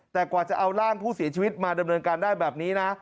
แต่กว่าจะเอาร่างผู้เสียชีวิตมาดำเนินการได้แบบนี้นะ